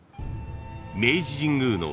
［明治神宮の］